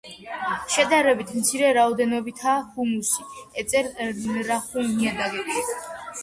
შედარებით მცირე რაოდენობითაა ჰუმუსი ეწერ და რუხ ნიადაგებში.